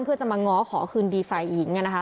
เพื่อจะมาง้อขอคืนดีฝ่ายหญิง